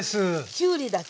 きゅうりだけです。